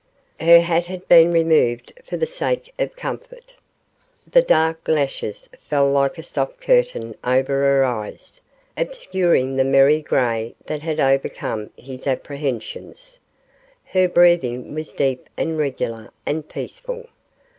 Her hat had been removed for the sake of comfort. The dark lashes fell like a soft curtain over her eyes, obscuring the merry gray that had overcome his apprehensions. Her breathing was deep and regular and peaceful.